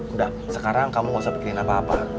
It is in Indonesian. udah sekarang kamu gak usah bikin apa apa